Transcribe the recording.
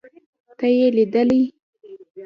ته يې ليدلې.